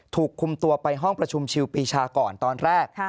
ถูกคุมตัวไปห้องประชุมชิวปีชาก่อนตอนแรก